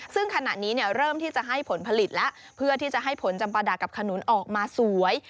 ซึ่งขณะนี้เริ่มที่จะให้ผลผลิตแล้วเพื่อที่จะให้ผลจำประดาษกับขนุนออกมาสวย